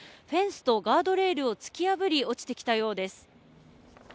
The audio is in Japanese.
フェンスとガードレールを突き破り、落ちてきたようです。